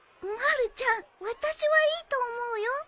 まるちゃん私はいいと思うよ。